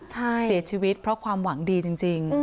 เสียชีวิตเพราะความหวังดีจริง